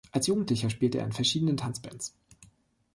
Als Jugendlicher spielte er in verschiedenen Tanzbands.